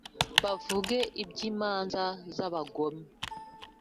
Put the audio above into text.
bavuge iby`imanza z`abagome.